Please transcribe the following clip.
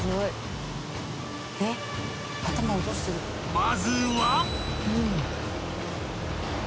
［まずは］